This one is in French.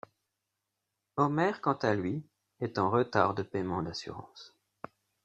Homer quant à lui est en retard de paiement d'assurance.